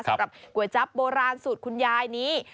สำหรับก๋วยจั๊บโบราณสูตรคุณยายนี้